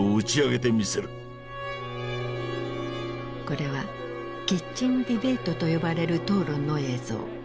これはキッチン・ディベートと呼ばれる討論の映像。